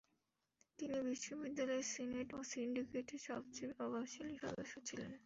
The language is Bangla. তিনি বিশ্ববিদ্যালয়ের সিনেট ও সিন্ডিকেটের সবচেয়ে প্রভাবশালী সদস্য ছিলেন।